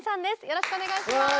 よろしくお願いします。